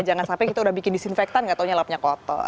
jangan sampai kita udah bikin disinfektan gak taunya lapnya kotor